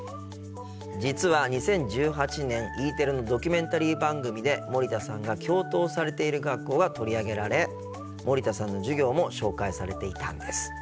実は２０１８年Ｅテレのドキュメンタリー番組で森田さんが教頭をされている学校が取り上げられ森田さんの授業も紹介されていたんです。